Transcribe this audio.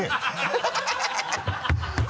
ハハハ